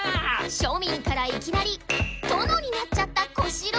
庶民からいきなり殿になっちゃった小四郎。